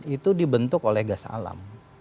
itu dibentuk oleh gas alam